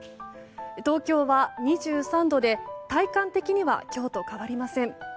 東京は２３度で、体感的には今日と変わりません。